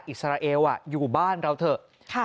อิสราเอลอยู่บ้านเราเถอะ